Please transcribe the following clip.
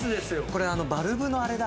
これバルブのあれだ。